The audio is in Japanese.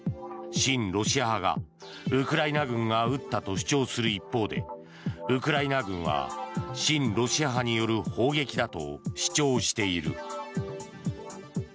親ロシア派がウクライナ軍が撃ったと主張する一方でウクライナ軍は親ロシア派による砲撃だと主張している。